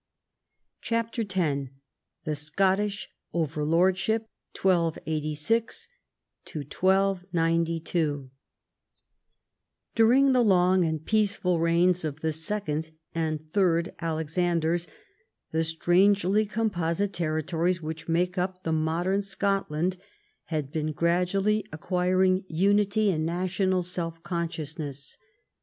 CHAPTER X THE SCOTTISH OVERLORDSHIP 1286 1292 During the long and peaceful reigns of the second and third Alexanders, the strangely composite territories which make up the modern Scotland had been gradually acquiring unity and national self consciousness.